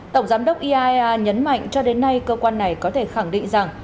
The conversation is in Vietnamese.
tổng giám đốc iaea nhấn mạnh cho đến nay cơ quan này có thể khẳng định rằng